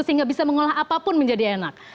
sehingga bisa mengolah apapun menjadi enak